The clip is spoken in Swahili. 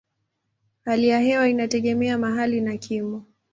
Hali ya hewa inategemea mahali na kimo.